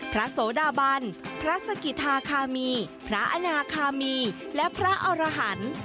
โสดาบันพระสกิธาคามีพระอนาคามีและพระอรหันต์